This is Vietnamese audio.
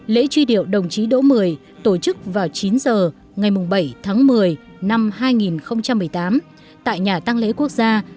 lễ truy điệu đồng chí đỗ một mươi tổ chức vào chín h ngày bảy tháng một mươi năm hai nghìn một mươi tám tại nhà tăng lễ quốc gia